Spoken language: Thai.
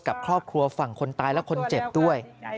กับครอบครัวฝั่งคนตายและคนเจ็บด้วย